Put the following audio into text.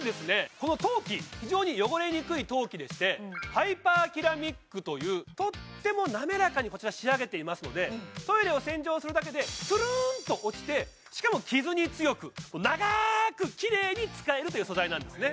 この陶器非常に汚れにくい陶器でしてハイパーキラミックというとっても滑らかにこちら仕上げていますのでトイレを洗浄するだけでするんと落ちてしかも傷に強く長くキレイに使えるという素材なんですね